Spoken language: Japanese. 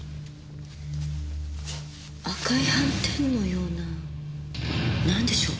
赤い斑点のようななんでしょう？